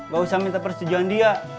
gak usah minta persetujuan dia